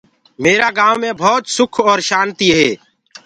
ميرآ گائونٚ مي ڀوت سُک اور شآنتي هي۔